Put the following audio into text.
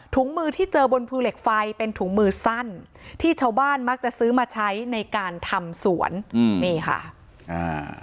มือที่เจอบนภูเหล็กไฟเป็นถุงมือสั้นที่ชาวบ้านมักจะซื้อมาใช้ในการทำสวนอืมนี่ค่ะอ่า